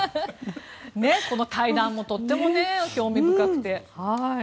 この対談もとっても興味深くて。